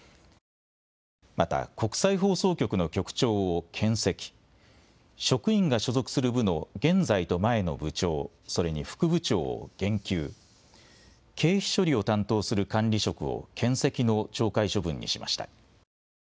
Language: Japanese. また国際放送局の局長をけん責、職員が所属する部の現在と前の部長、それに副部長を減給、経費処理を担当する管理職をけん責の懲戒処分にしました。